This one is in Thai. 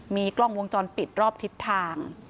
มีกล้องวงจรปิดรอบทิศทาง